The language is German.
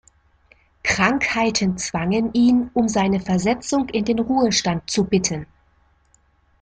Krankheiten zwangen ihn, um seine Versetzung in den Ruhestand zu bitten.